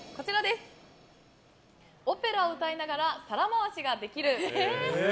オペラを歌いながら皿回しができる。